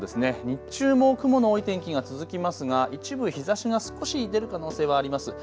日中も雲の多い天気が続きますが、一部日ざしが少し出る可能性はあります。